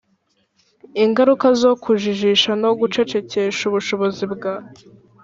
ingaruka zo kujijisha no gucecekesha ubushobozi bwa